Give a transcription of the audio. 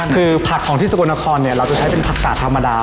คือผักของที่สกลนครเนี่ยเราจะใช้เป็นผักตระธรรมดา